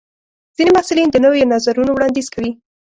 ځینې محصلین د نویو نظرونو وړاندیز کوي.